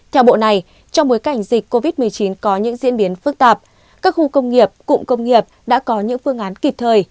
theo bộ này trong bối cảnh dịch covid một mươi chín có những diễn biến phức tạp các khu công nghiệp cụm công nghiệp đã có những phương án kịp thời